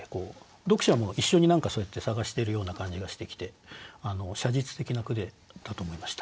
読者も一緒に何かそうやって探してるような感じがしてきて写実的な句だと思いました。